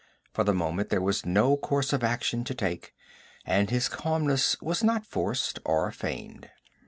For the moment there was no course of action to take, and his calmness was not forced or feigned.